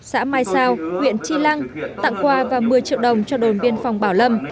xã mai sao huyện tri lăng tặng quà và một mươi triệu đồng cho đồn biên phòng bảo lâm